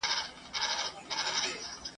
په ګونګه ژبه نظمونه لیکم !.